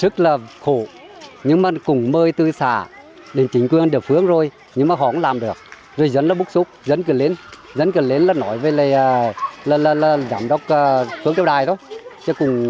cùng hết rất là khổ nhưng mà cũng mơ tươi sáng